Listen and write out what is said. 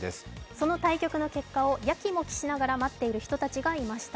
その対局の結果を、やきもきしながら待っている人たちがいました。